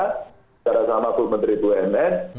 secara sama pementeri bumn